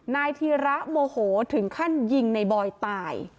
นายธีระโมโหถึงขั้นยิงในบอยตาย